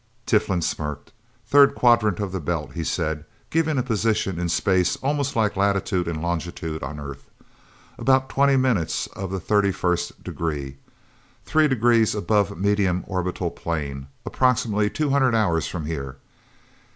Tiflin smirked. "Third quadrant of the Belt," he said, giving a position in space almost like latitude and longitude on Earth. "About twenty minutes of the thirty first degree. Three degrees above median orbital plane. Approximately two hundred hours from here.